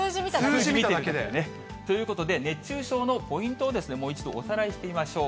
数字見ただけで。ということで、熱中症のポイントを、もう一度おさらいしてみましょう。